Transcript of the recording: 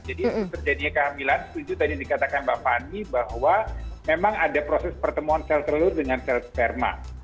jadi terjadinya kehamilan itu tadi yang dikatakan mbak fani bahwa memang ada proses pertemuan sel telur dengan sel sperma